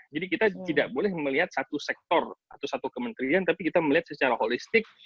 jadi kita tidak boleh melihat satu sektor atau satu kementerian tapi kita melihat secara holistik